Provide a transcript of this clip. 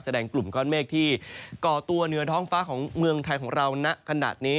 แสดงกลุ่มข้อนเมียกที่ก่อตัวเหนือท้องฟ้าของเมืองทายของเรานะขนาดนี้